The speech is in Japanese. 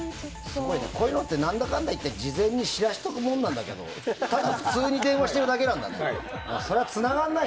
こういうのって何だかんだ事前に知らせておくものなんだけどただ普通に電話してるだけなんだね。